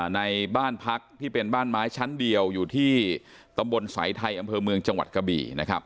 ในบ้านพักที่เป็นบ้านไม้ชั้นเดียวอยู่ที่ตำบลสายไทยอำเภอเมืองจังหวัดกะบี่